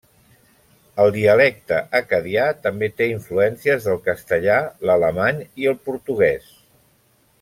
El dialecte acadià també té influències del castellà, l'alemany i el portuguès.